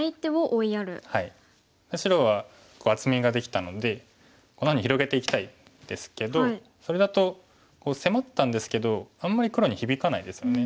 白は厚みができたのでこのように広げていきたいんですけどそれだと迫ったんですけどあんまり黒に響かないですよね。